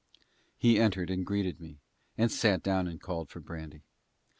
He entered and greeted me, and sat down and called for brandy.